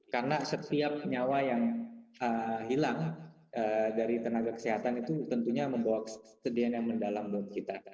karena setiap nyawa yang hilang dari tenaga kesehatan itu tentunya membawa kesedihan yang mendalam buat kita